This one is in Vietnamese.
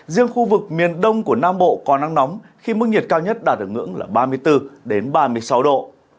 riêng khu vực miền đông của nam bộ có nắng nóng khi mức nhiệt cao nhất đạt được ngưỡng là ba mươi bốn ba mươi sáu độ